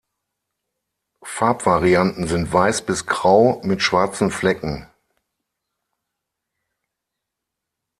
Farbvarianten sind weiß bis grau mit schwarzen Flecken.